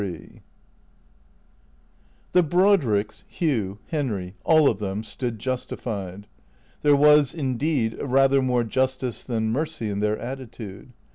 LIII THE Brodricks — Hugh — Henry — all of them — stood justified. There was, indeed, rather more justice than mercy in their attitude.